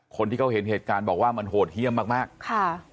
คนที่เขาเห็นเหตุการณ์บอกว่ามันโหดเยี่ยมมากมากค่ะ